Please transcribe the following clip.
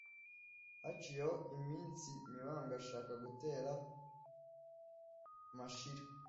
haciyeho iminsi mibambwe ashaka gutera mashira.